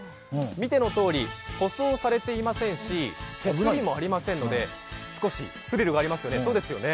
見てのとおり、舗装されていませんし、手すりもありませんので少しスリルがありますよね。